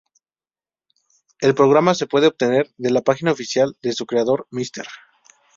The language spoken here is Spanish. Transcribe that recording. El programa se puede obtener de la página oficial de su creador, Mr.